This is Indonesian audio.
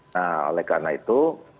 nah oleh karena itu